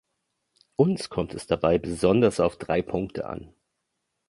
Uns kommt es dabei besonders auf drei Punkte an.